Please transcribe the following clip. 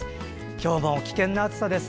今日も危険な暑さです。